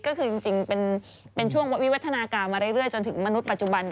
ก็คือจริงเป็นช่วงวิวัฒนาการมาเรื่อยจนถึงมนุษย์ปัจจุบัน